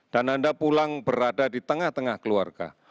dan anda pulang berada di tengah tengah keluarga